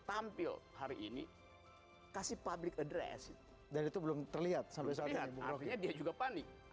tampil hari ini kasih public address dan itu belum terlihat sampai saat ini dia juga panik